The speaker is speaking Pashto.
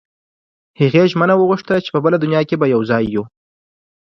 هغې ژمنه وغوښته چې په بله دنیا کې به یو ځای وو